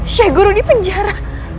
sheikh guru di penjara